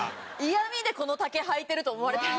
嫌味でこの丈はいてると思われてる。